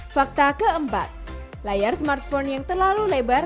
fakta keempat layar smartphone yang terlalu lebar